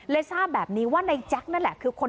ทราบแบบนี้ว่าในแจ็คนั่นแหละคือคน